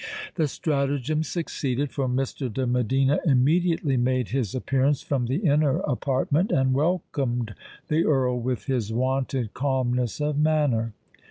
The stratagem succeeded; for Mr. de Medina immediately made his appearance from the inner apartment, and welcomed the Earl with his wonted calmness of manner.